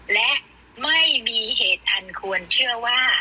และไม่มีเหตุอันควรเชื่อว่า